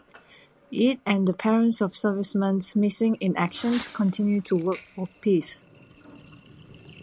It and the Parents of Servicemen Missing in Action continue to work for peace.